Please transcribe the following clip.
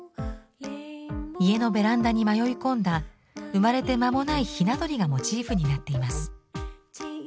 家のベランダに迷い込んだ生まれて間もないひな鳥がモチーフになっています。